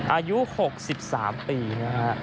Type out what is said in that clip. อายุ๖๓ปีนะฮะ